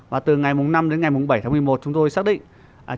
và từ ngày năm đến ngày bảy tháng một mươi một chúng tôi xác định là mưa to